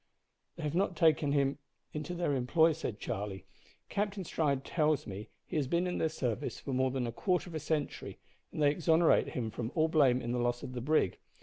"They have not taken him into their employ," said Charlie. "Captain Stride tells me he has been in their service for more than a quarter of a century, and they exonerate him from all blame in the loss of the brig.